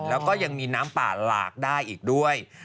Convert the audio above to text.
แล้วก็ยังมีน้ำป่าหลากได้อีกด้วย